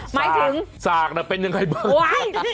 หมายถึงสากน่ะเป็นยังไงบ้าง